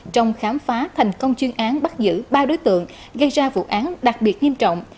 trong khám phá thành công chuyên án bắt giữ ba đối tượng gây ra vụ án đặc biệt nghiêm trọng